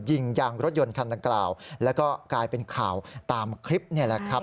ยางรถยนต์คันดังกล่าวแล้วก็กลายเป็นข่าวตามคลิปนี่แหละครับ